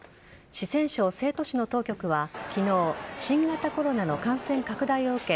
四川省成都市の当局は昨日、新型コロナの感染拡大を受け